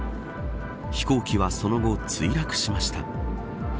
飛行機はその後墜落しました。